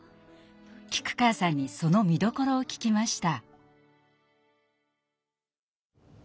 菊川さんにその見どころを聞きました。